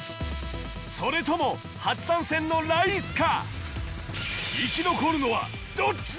それとも初参戦のライスか！？